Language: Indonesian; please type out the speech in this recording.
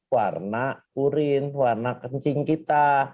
warna urin warna kencing kita